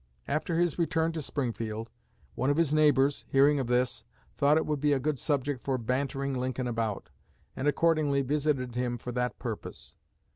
After his return to Springfield, one of his neighbors, hearing of this, thought it would be a good subject for bantering Lincoln about, and accordingly visited him for that purpose.